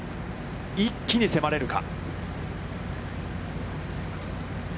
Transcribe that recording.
一気に迫れるか。